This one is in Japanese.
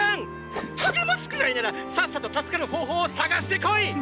励ますくらいならさっさと助かる方法を探してこい！！